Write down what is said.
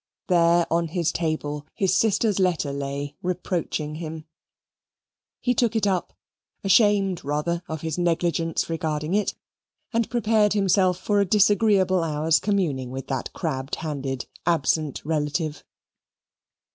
There on his table, his sister's letter lay reproaching him. He took it up, ashamed rather of his negligence regarding it, and prepared himself for a disagreeable hour's communing with that crabbed handed absent relative.